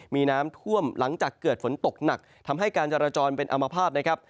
มีน้ำท่วมหลังจากเกิดฝนตกหนักทำให้การจราจรเป็นอามภาษณนะครับ